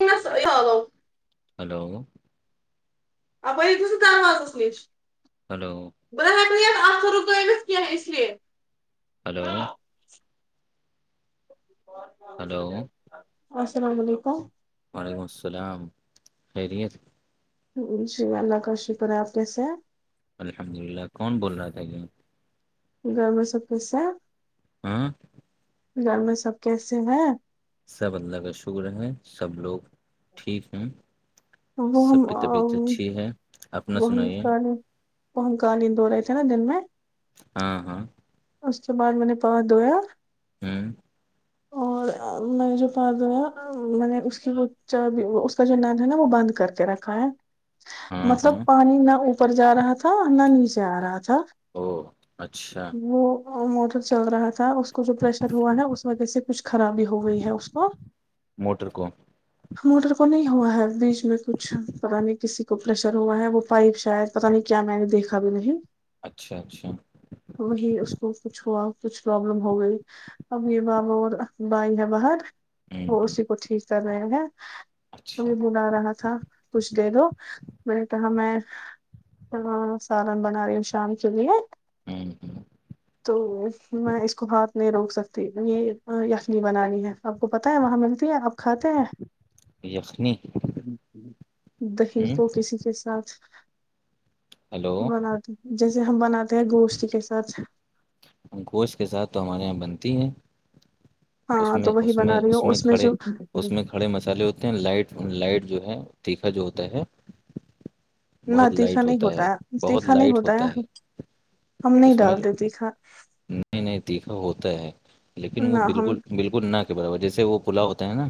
س ہلو اپر س دروازس نش ہلو ب نہ ہیکک ن نہ یہ ا آخر رکویت کیہ اس لیے ہلو ہلو السلام علیکم وعلیکم السلام خیریت ہ شی اللہ کا ش پرا اپنے س الحمد للہ کون بول رہا تھا یہ گھر میں سب کےس ہاں گھر میں سب کیسے ہیں سب اللہ کا شکر ہے سب لوگ ٹھیک ہیں سب کی طبیعت اچھی ہے اپنا سنائیے وہنکالی وہنکالیند ہو رہے تھے نا دن میں ہاں ہاں اس کے بعد میں نے پاس دھویا ہوں اور میں نے جو پادر ہے میں نے اس کی اس کا جو نل ہے نا وہ بند کر کے رکھا ہے ہاں مطلب ہاں پانی نہ اوپر جا رہا تھا نہ نیچے آ رہا تھا او اچھا وہ موٹر چل رہا تھا اس کو جو پریشر ہوا ہے اس وجہ سے کچھ خرابی ہو گئی ہے اس کو موٹر کو موٹر کو نہیں ہوا ہے بیچ میں کچھ پرانیے کسی کو پریشر ہوا ہے وہ پائپ شاید پتا نہیں کیا میں نے دیکھا بھی نہیں اچھا اچھا وہی اس کو کچھ ہوا کچھ پرابلم ہو گئی اب یہ بابا اور بھائی ہے باہر وہ ہوں، اسی کو ٹھیک طرنا ہےگ اچھا کی آ رہا تھا کچھ دیر ہو میں نے کہا میں سالن بنا رہی ہوں شام کے لیے ہوں ہوں۔ تو میں اس کو بہات نہیں روک سکتی یہ یخنی بنانی ہے آپ کو پتہ ہے وہاں ملتی ہے آپ کھاتے ہیں یخنی دہی ہوں کو کسی کے ساتھ ہلو بنا جیسے ہم بناتے ہیں گوشت کے ساتھ گوشت کے ساتھ تو ہمارے یہاں بنتی ہیں اس ہاں میں تو وہی اس میں بنا رہی اس ہوں میں کھڑے جو اس میں کے کھڑے مسالے ہوتے ہیں لائٹ لائٹ جو ہے تیکھا جو ہوتا ہے نہ تیکھا نہیں ہوتا ہے تیکھا نہیں ہوتا ہے ہم نہیں ڈالتے تیکھا نئے نئے تیکھا ہوتا ہے لیکن وہ نہ ہم بالکل بالکل نہ کے برابر جیسے وہ پھلا ہوتا ہے نا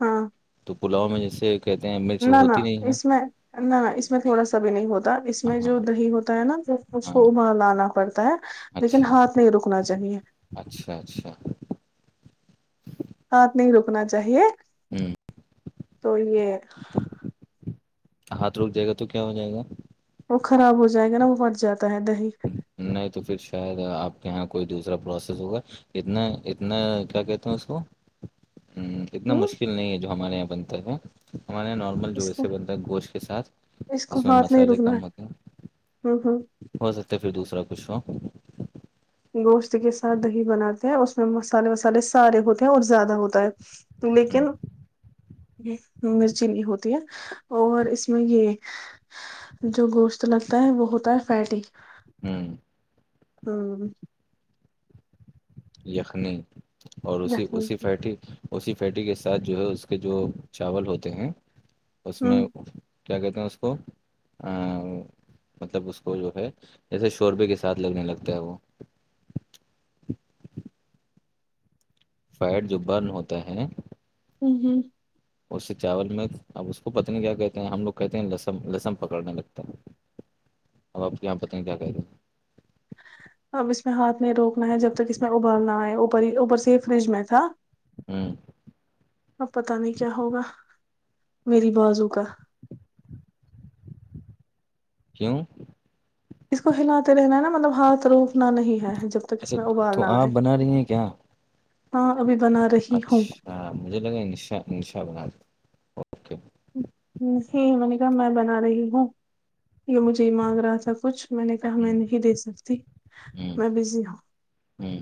ہاں تو پلوا میں جیسے کہتے ہیں میں نہ نہ اس میں نہ اس میں تھوڑا سا بھی نہیں ہوتا اس میں ہاں جو دہی ہوتا ہے نا اس ہاں کو ابالانا پڑتا ہے لیکن اچھا ہاتھ نہیں رکنا چاہیے اچھا اچھا ہاتھ نہیں رکنا چاہیے ہوں تو یہ ہاتھ روک جائے گا تو کیا ہو جائے گا وہ خراب ہو جائے گا نا وہ مٹ جاتا ہے دہی نہیں تو پھر شاید آپ کے یہاں کوئی دوسرا پروسیس ہوگا اتنا اتنا کیا کہتے ہیں اس کو ہ اتنا ہ مشکل نہیں ہے جو ہمارے یہاں بنتا ہے ہمارے یہاں نارمل اس کو جوسے بنتا ہے گوشت کے ساتھ اس میں مسالے کم ہوتے ہیں ہاں ہاں ہو سکتا ہے پھر دوسرا کچھ ہو گوشت کے ساتھ دہی بناتے ہیں اس میں مسالے وسالے سارے ہوتے ہیں اور زیادہ ہوتے تو لیک ہوں ن ج مرچینی ہوتی ہے اور اس میں یہ جو گوشت لگتا ہے وہ ہوتا ہے فیٹی ہوں ہاں یخنی اور اسی اسی پیٹیھی اسی پیٹی کے ساتھ جو ہے اس کے جو چاول ہوتے ہیں اس میں کیا کہتے ہیں اس کو مطلب اس کو جو ہے جیسے شوربے کے ساتھ لگنے لگتا ہے وہ فائٹ جو برن ہوتا ہے جی جی اس سے چاول میں اب اس کو پتہ نہیں کیا کہتے ہیں ہم لوگ کہتے ہیں لسم لسن پکڑنے لگتا ہے اب آپ کو یہاں پتیں کیا کہتےے اب اس میں ہاتھ میں روکنا ہے جب تک اس میں ابالنا ہے اوپر ہی اوپر سے ہی فریج میں تھا ہوں اب پتا نہیں کیا ہوگا میری بازو کا کیوں اس کو ہلاتے رہنا ہے نا مطلب ہاتھ روپنا نہیں ہے جب تک اس اچھا میں تو ابالنا ہے آپ بنا رہی ہیں کیا ہاں ابھی بنا رہی ہوں ہاں مجھے لگا نشا نشا بنا کے ہی منیکا میں بنا رہی ہوں یہ مجھے مانگ رہا تھاب کچھ میں نے کہا میں ہوں نہیں دے سکتی ہوں میں بزی ہوں ہوں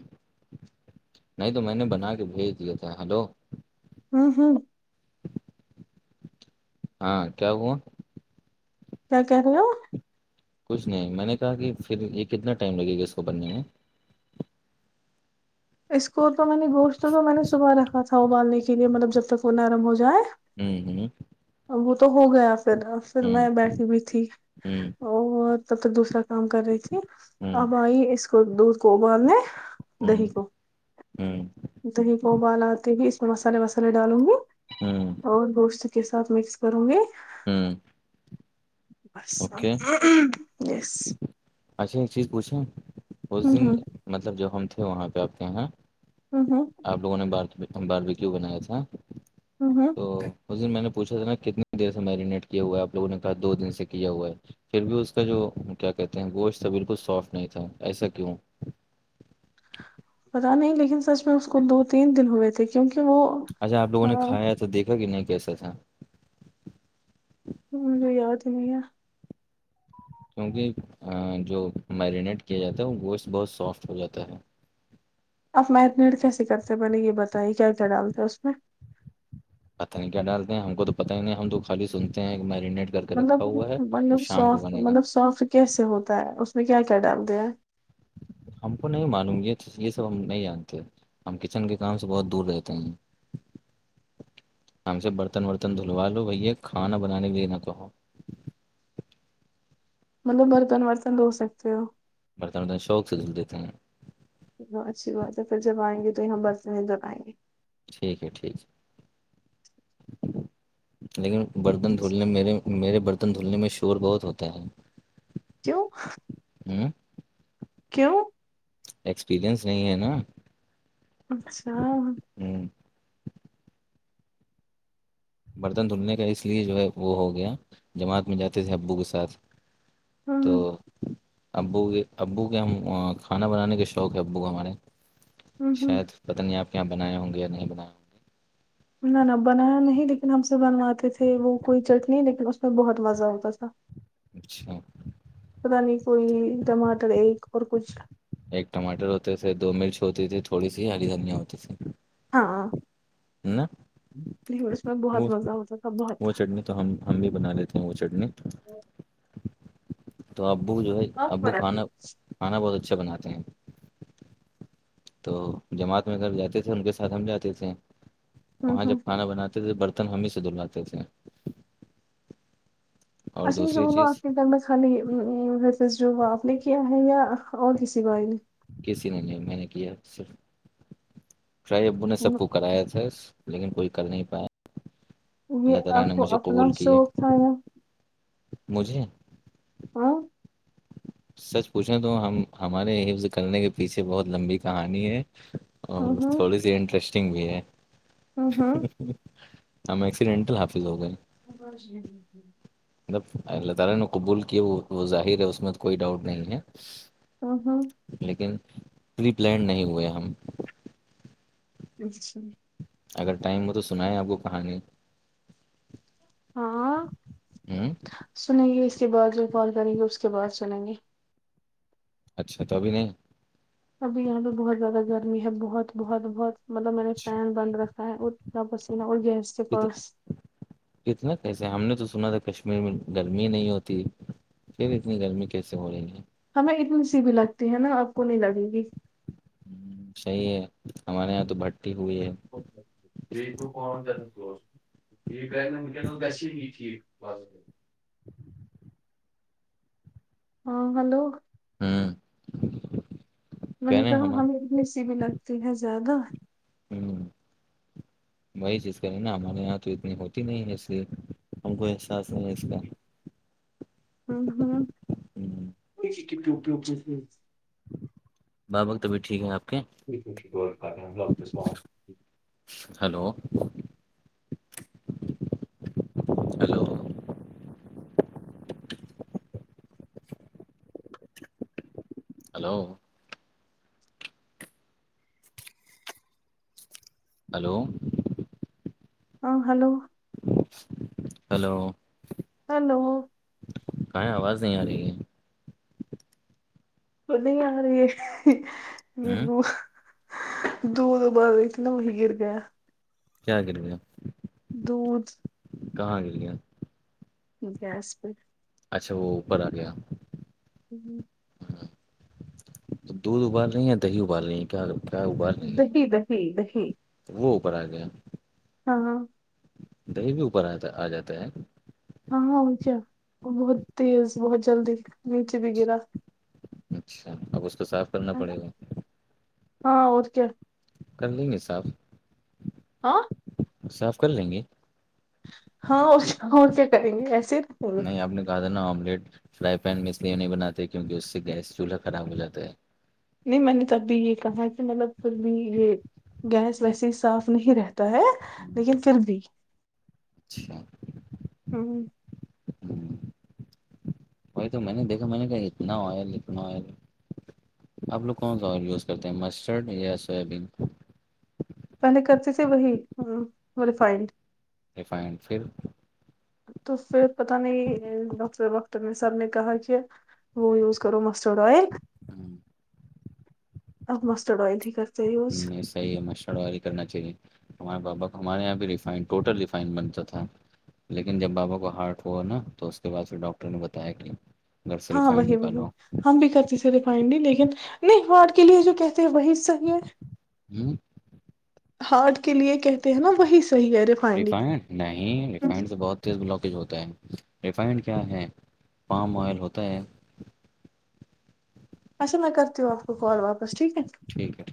نہیں تو میں نے بنا کے بھیج دیا تھا ہیلو ہاں ہاں ہاں کیا ہوا کیا کہہ رہ ہو کچھ نہیں میں نے کہا کہ پھر یہ کتنا ٹائم لگے گا اس کو بننے میں اس کو تو میں نے گوشت تو میں نے صبح رکھا تھا ابالنے کے لیے مطلب جب تک وہ نرم ہو جائے ہوں ہوں وہ تو ہو گیا پھر پھر میں بیٹھی بھی تھی ہوں اور تو پھر دوسرا کام کر رہی تھی ہوں اب آئی اس کو دودھ کو ابالنے ہوں دہی کو ہوں دہ کو ابال آ کے بھی اس میں مسالے وسالے ڈالوں گی ہوں اور گوشت کے ساتھ مکس کروں گی ہوں بس اوکے یس اچھا ایک چیز پوچھیں اس ہ دن ہ مطلب جو ہم تھے وہاں پہ آپ کے یہاں ہوں ہوں آپ لوگوں نے بار بارویکو بنایا تھا ہوں ہوں تو میں نے پوھا تھا نا کتنی دیر سے میرینیٹ کیا ہوا آپوگوں نے کہ دو دن سے کیا ہوا ہے پھر بھی اس کا جو کیا کہتے ہیں گوشت تھا بالکل سافٹ نہیں تھا ایسا کیوں پتا نہیں لیکن سچ میں اس کو دو تین دن ہوئے تھے کیونکہ وہ اچھا آپ لوگوں نے کھایا تو دھا کہ نہیں کیسا تھاا م جو یاد نہیںیا کیونکہ جو میرینیٹ کیا جاتا ہے گوس بہت سافٹ ہو جاتا ہے آپ میتنیڈ کیسے کرتے ہیں میں نے یہ بتائیے کیا کیا ڈالتے ہیں اس میں پتہ نہیں کیا ڈالتے ہیں ہم کو تو پت ہی نہیں ہم تو خالی سنتے ہیں ایک میرینیٹ کر کے رکھا مطلب ہوا ہے اور مطلب شام کو سافٹ بنے گا مطلب سافٹ کیسے ہوتا ہے اس میں کیا کیا ڈالتے ہیں ہم کو نہیں مانوں گ یہ یہ سب ہم نہیں جانتے ہم کچن کے کام سے بہت دور رہتے ہیں ہم سے برتن ورتن دھلوا لو بھیا کھانا بنانے بھی لینا کہ مطلب برتن برتن ہو سکتے ہو برتن برتن شوق سے دھل دیتے ہیں اچھی بات ہے پھر جب آئیں گے تو یہ ہم بس میں جب آائیں گے ٹھیک ہے ٹھیک ہے لیکن برتن دھلنے میرے میرے برتن دھلنے میں شور بہت ہوتا ہے کیوں ہوں کیوں ایکسپیرنس نہیں ہے نا اچھا ہوں برتن دھلنے کا اس لیے جو ہے وہ ہو گیا جماعت میں جاتے تھے ابو کے ساتھ ہ تو ابو کے ابو کے ہم کھانا بنانے کے شوق ہے ابو کو ہمارے ہ شاید پت نہیں آپ کے یہاں بنائے ہوں گے یا نہیں بنائے ہوں گے نہ نہ بنایا نہیں لیکن ہم سے بنواتے تھے وہ کوئی چٹنی لیکن اس میں بہت مزہ ہوتا تھا اچھا پت نہیں کوئی ٹماٹر ایک اور کچھ ایک ٹماٹر ہوتے تھے دو مرچ ہوتی تھی تھوڑی سی ہری دھنیا ہوتی تھی ہاں ہے نا پس میں بہت وہ مزہ ہوتا تھا بہت وہ چٹنی تو ہم بھی بنا لیتے ہیں وہ چٹنی تو ابو جو ہے ابو کھانا ہوں کھانا بہت اچھا بناتے ہیں تو جماعت میں گھر جاتے تھے ان کے ساتھ ہم جاتے تھے وہاں جب ہوں کھانا بناتے تھے بر ہم ہی سے دلہواتے تھے ا اور دوسری چیز شماتی میں خالی جواپ نے کیا ہے یا اور کسی گائی نے کسی نے نہیں میں نے کیا صرف شاہی ابو نے سب کو کرایا تھا لیکن کوئی کر نہیں پایا اللہ یہ تعالی آپ نے کو مجھے قبول اپنا کی ہے شوق تھا یا مجھے ہاں سچ پوچھیں تو ہم ہمارے حفظ کرنے کے پیچھے بہت لمبی کہانی ہے ہوں اور ہوں تھوڑی سی انٹرسٹنگ بھی ہے ہوں ہوں ہم ایکسیڈنٹل حافظ ہو گئے [unintelligible] جب اللہ تعالی نے قبول کیا وہ وہ ظاہر ہے اس میں تو کوئی ڈاؤٹ نہیں ہے ا ہاں لیکن رری پلینڈ نہیں ہوئے ہم اچھا اگر ٹائم ہو تو سنیں آپ کو کہانی ہاں ہوں سنیں گی اس کے بعد جو کال کریں گی اس کے بعد سنیں گے اچھا تو ابھی نہیں ابھی یہاں پہ بہت زیادہ گرمی ہے بہت بہت بہت مطلب میں نے فینڈ بند رکھا ہ ج بسا اور گ ت کتنا کیسے ہم نے تو سنا تھا کشمیر میں گرمی نہیں ہوتی پھر اتنی گرمی کیسے ہو رہی ہے ہمیں اتنی سی بھی لگتی ہے نا آپ کو نہیں لگے گی ہ صحیح ہے ہمارے یہاں تو بھٹی ہوئی ہے کو پ یہ کر ن ونکنس گسی یہ ٹھیک [unintelligible] ہاں ہلو ہاں میں نے کہا ہمیں اتنی سی بھی لگتی ہے زیادہ ہوں وہی چیز کریں نا ہمارے یہاں تو اتنی ہوتی نہیں ایسی ہم کو احساس نہیں ہے اس کا ہوں، [unintelligible] بابقت ابھی ٹھیک ہیں آپ کے جی رہ ہیں ڈاک صوح ہلو ہیلو ہلو ہلو ہاں ہلو ہلو ہلو کہیں آواز نہیں آ رہی ہے تو نہیں ارہی ہے یہ ہ وہ دودھ ابال رہی تھی نا وہیں گر گیا کیا گر گیا دودھ کہاں گر گیا گیس پر اچھا وہ اوپر آ گیا ہمم دودھ ابال رہی ہیں یا دہی ابال رہی ہیں کیا کیا ابال رہی ہیں دہی دہی دہی وہ اوپر آ گیا ہاں ہاں دہی بھی اوپر آ آ جاتا ہے ہاں ہاں وہ کیا بہت تیز بہت جلدی نیچے بھی گرا اچھا اب اس کو صاف کرنا پڑے گا ہاں اور کیا کر لیں گے صاف ہاں صاف کر لیں گے ہاں اور کیا کریں گے ایسے نہیں آپ نے کہا تھا نا آملیٹ فرائی پین میں اس لیے نہیں بناتے کیونکہ اس سے گیس چولہا خراب ہو جاتا ہے نہیں میں نے تبھی یہ کہا کہ مطلب پھر بھی یہ گیس ویسے ہی صاف نہیں رہتا تا‌ہے لیکن پھر بھی اچھا ہمم ہمم وہی تو میں نے دیکھا میں نے کہا اتنا آئل اتنا آئل آپ لوگ کون سا اور یوز کرتے ہیں مسٹرڈ یا سویابین پہلے کرچے سے وہی ریفائنڈ ریفائنڈ پھر تو پھر پت نہیں ڈاکٹر واکٹر میں سر نے کہا کیا وہ یوز کرو مسٹرڈ آئل پھر آپ مسٹرڈ آوئل ت کرتے ہیں یوز ہمم اہے مچ وی کرنا چاہیے ہمارے پابا کو ہمارے یہاں بھیی ٹوٹل ریفائن بنتا تھا لیکن جب بابا کو ہارٹ ہوا نا تو اس کے بعد پھر ڈاکٹر نے بتایا کہ گھر سے ہاں ریفائنڈ وہی وہی نکالو ہم بھی کرتی تھ ریفائنلی لیکن نہیں ہارٹ کے لیے جو کہتے ہیں وہی صحیح ہے ہارٹ کے لیے کہتے ہیں نا وہی صحی ہے ر ریفائنڈ نہیں ریفائنڈ سے بہت تیل بلاکیج ہوتا ہے ریفائنڈ کیا ہے پام آئل ہوتا ہے [inaudible] اچھا میں کرتی ہوں آپ کو کال واپس ٹھیک ہے ٹھیک ہے